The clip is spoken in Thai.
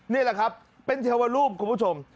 นี่แหละครับเป็นเทวรูปคุณผู้ชม